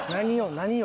何を？